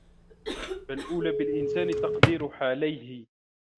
فَالْأَوْلَى بِالْإِنْسَانِ تَقْدِيرُ حَالَيْهِ